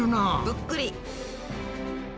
ぷっくり。